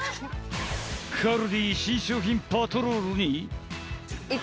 カルディ新商品パトロールに。